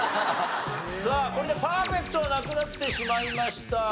さあこれでパーフェクトはなくなってしまいました。